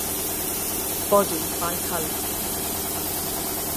Body bicolored.